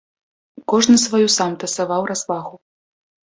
Кожны сваю сам тасаваў развагу.